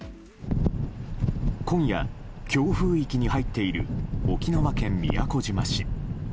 今夜、強風域に入っている沖縄県宮古島市。